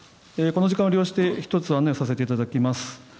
この時間を利用して１つ案内させていただきます。